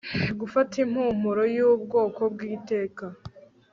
Gufata impumuro yubwoko bwiteka